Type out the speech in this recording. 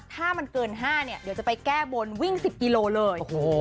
ถ้ามันเกิน๕เนี่ยเดี๋ยวจะไปแก้บนวิ่ง๑๐กิโลเลย